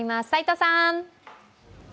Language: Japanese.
齋藤さん。